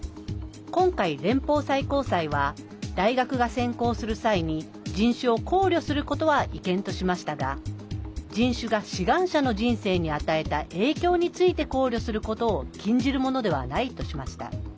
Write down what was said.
今回、連邦最高裁は大学が選考する際に人種を考慮することは違憲としましたが人種が、志願者の人生に与えた影響について考慮することを禁じるものではないとしました。